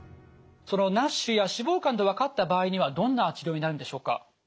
そのＮＡＳＨや脂肪肝と分かった場合にはどんな治療になるんでしょうか？